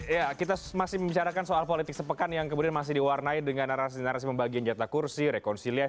ya kita masih membicarakan soal politik sepekan yang kemudian masih diwarnai dengan narasi narasi pembagian jatah kursi rekonsiliasi